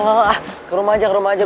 lo gak tau kenapa